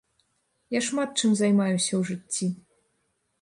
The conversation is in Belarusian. Я шмат чым займаюся ў жыцці.